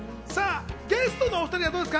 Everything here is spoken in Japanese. ゲストのお２人はどうですか？